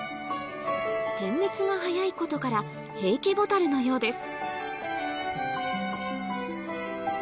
点滅が速いことからヘイケボタルのようです